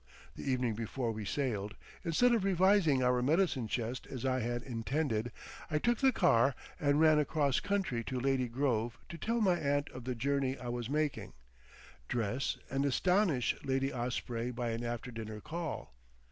The evening before we sailed, instead of revising our medicine chest as I had intended, I took the car and ran across country to Lady Grove to tell my aunt of the journey I was making, dress, and astonish Lady Osprey by an after dinner call.